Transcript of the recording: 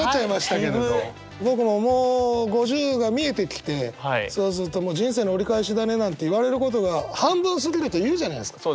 僕ももう５０が見えてきてそうすると「人生の折り返しだね」なんて言われることが半分過ぎると言うじゃないですか。